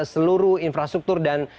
seluruh infrastruktur dan